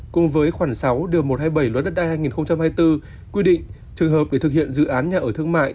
cùng với khoảng sáu điều một trăm hai mươi bảy luật đất đai hai nghìn hai mươi bốn quy định trường hợp để thực hiện dự án nhà ở thương mại